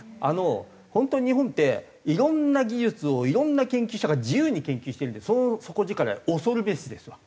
本当に日本っていろんな技術をいろんな研究者が自由に研究してるんでその底力恐るべしですわ。